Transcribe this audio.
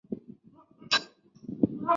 疙瘩银杏蟹为扇蟹科银杏蟹属的动物。